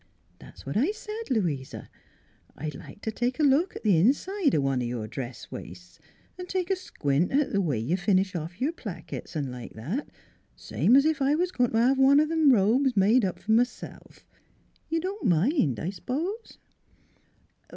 30 NEIGHBORS " That's what I said, Louisa. I'd like t' look at th' inside o' one o' your dress waists, 'n' take a squint at th' way you finish off your plackets 'n' like that, same 's if I was goin' t' have one o' them robes made up f'r m'self. You don't mind, I s'pose?"